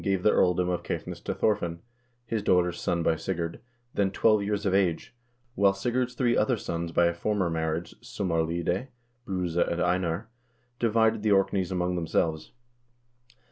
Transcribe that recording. gave the earl dom of Caithness to Thorfinn, his daughter's son by Sigurd, then twelve years of age, while Sigurd's three other sons by a former mar riage, Sumarlide, Bruse, and Einar, divided the Orkneys among them selves.